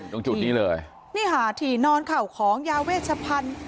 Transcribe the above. ตรงจุดนี้เลยนี่ค่ะที่นอนเข่าของยาเวชพันธุ์